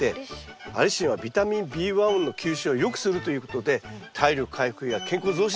アリシンはビタミンＢ１の吸収を良くするということで体力回復や健康増進。